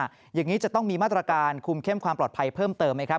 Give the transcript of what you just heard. อย่างนี้จะต้องมีมาตรการคุมเข้มความปลอดภัยเพิ่มเติมไหมครับ